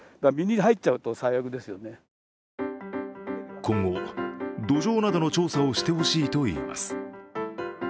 今後、土壌などの調査をしてほしいといいます。